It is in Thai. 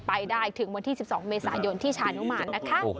ไปได้ถึงวันที่๑๒เมษายนที่ชานุมานนะคะ